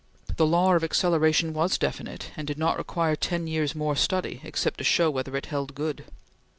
The law of acceleration was definite, and did not require ten years more study except to show whether it held good.